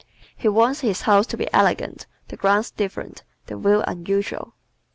He wants his house to be elegant, the grounds "different," the view unusual.